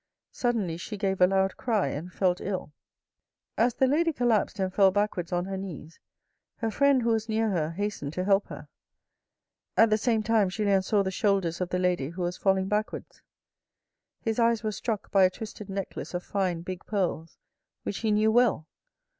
Suddenly she gave a loud cry, and felt ill. As the lady collapsed and fell backwards on her knees, her friend who was near her hastened to help her. At the same time Julien saw the shoulders of the lady who was falling backwards. His eyes were struck by a twisted necklace of fine, big pearls, which he knew well.